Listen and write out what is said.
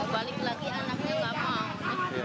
balik lagi anaknya nggak mau